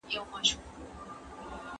هغه په مځکي کي کار کوی او عزت يې ساتلی.